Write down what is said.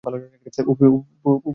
উফ, শিস বেরোয় না কেন!